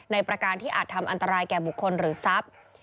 ประการที่อาจทำอันตรายแก่บุคคลหรือทรัพย์